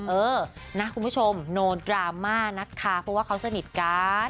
เออนะคุณผู้ชมโนดราม่านะคะเพราะว่าเขาสนิทกัน